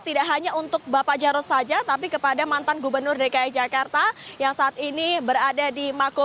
tidak hanya untuk bapak jarod saja tapi kepada mantan gubernur dki jakarta yang saat ini berada di mako